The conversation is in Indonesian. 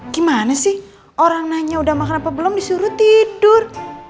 gimana sih orang nanya udah makan apa belum disuruh tidur